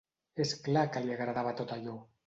És clar que li agradava tot allò!